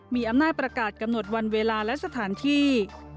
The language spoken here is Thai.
มีอำนาจประกาศกำหนดวันเวลาและสถานที่